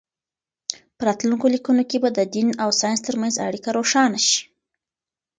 په راتلونکو لیکنو کې به د دین او ساینس ترمنځ اړیکه روښانه شي.